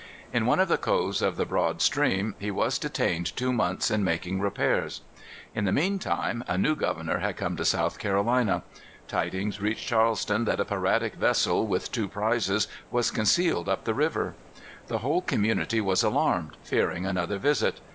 In one of the coves of the broad stream he was detained two months in making repairs. In the mean time a new governor had come to South Carolina. Tidings reached Charleston that a piratic vessel, with two prizes, was concealed up the river. The whole community was alarmed, fearing another visit.